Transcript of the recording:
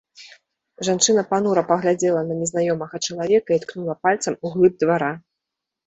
Жанчына панура паглядзела на незнаёмага чалавека і ткнула пальцам у глыб двара.